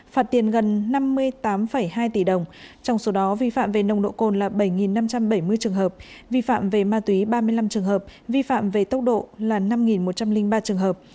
phạt tiền gần năm mươi tám hai tỷ đồng trong số đó vi phạm về nồng độ cồn là bảy năm trăm bảy mươi trường hợp vi phạm về ma túy ba mươi năm trường hợp vi phạm về tốc độ là năm một trăm linh ba trường hợp